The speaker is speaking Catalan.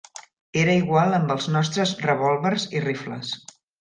Era igual amb els nostres revòlvers i rifles.